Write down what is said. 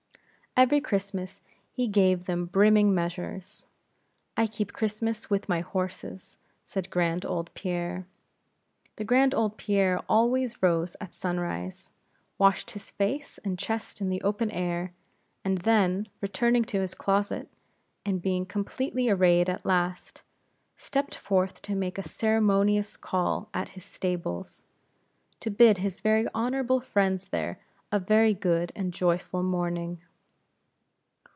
Every Christmas he gave them brimming measures. "I keep Christmas with my horses," said grand old Pierre. This grand old Pierre always rose at sunrise; washed his face and chest in the open air; and then, returning to his closet, and being completely arrayed at last, stepped forth to make a ceremonious call at his stables, to bid his very honorable friends there a very good and joyful morning.